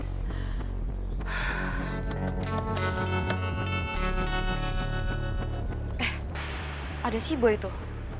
eh ada si boy tuh